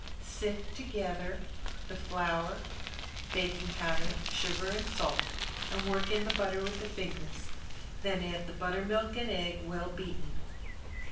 Sift together the flour, baking powder, sugar and salt, and work in the butter with the fingers, then add the buttermilk and egg well beaten.